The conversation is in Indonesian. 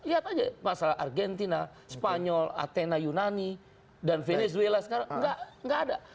lihat aja masalah argentina spanyol athena yunani dan venezuela sekarang nggak ada